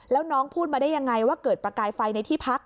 แล้วน้องพูดมาได้ยังไงว่าเกิดประกายไฟในที่พัก